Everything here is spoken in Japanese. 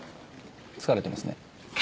疲れてますね？